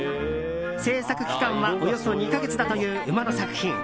制作期間はおよそ２か月だという馬の作品。